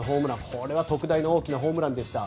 これは特大の大きなホームランでした。